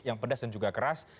yang pedas dan juga keras